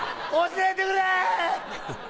教えてくれ！